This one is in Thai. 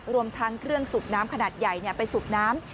รวมทั้งเครื่องสูบน้ำขนาดใหญ่ไปสูบน้ำ